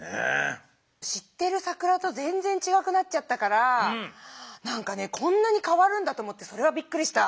知ってる「さくら」と全然ちがくなっちゃったからこんなにかわるんだと思ってそれがびっくりした。